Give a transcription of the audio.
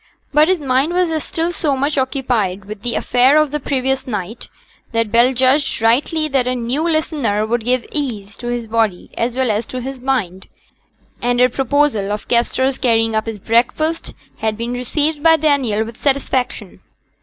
But his mind was still so much occupied with the affair of the previous night, that Bell judged rightly that a new listener would give ease to his body as well as to his mind, and her proposal of Kester's carrying up his breakfast had been received by Daniel with satisfaction.